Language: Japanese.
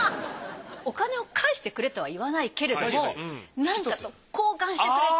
お金を返してくれとは言わないけれどもなんかと交換してくれって。